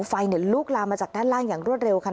ไฟลุกลามมาจากด้านล่างอย่างรวดเร็วค่ะ